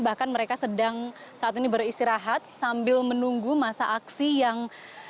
bahkan mereka sedang saat ini beristirahat sambil menunggu masa aksi yang